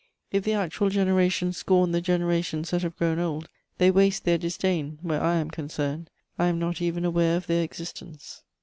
If the actual generations scorn the generations that have grown old, they waste their disdain where I am concerned: I am not even aware of their existence.